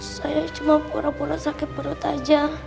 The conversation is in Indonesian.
saya cuma pura pura sakit perut aja